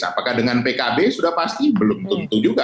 apakah dengan pkb sudah pasti belum tentu juga